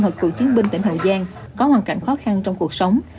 hội cựu chiến binh tỉnh hậu giang có hoàn cảnh khó khăn trong cuộc sống